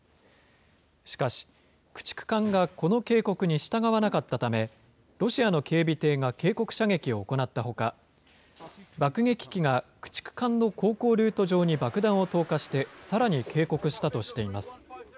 しかし、駆逐艦がこの警告に従わなかったため、ロシアの警備艇が警告射撃を行ったほか、爆撃機が駆逐艦の航行ルート上に爆弾を投下して、さらに警告したとしています。